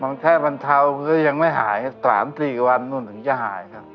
มังแท้มันเตายังไม่หาย๓๔กวันมันจนจะหายครับ